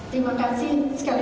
terima kasih sekali lagi